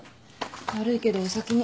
悪いけどお先に。